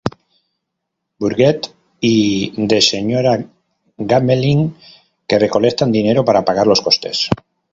Bourget y de Señora Gamelin que recolectan dinero para pagar los costes.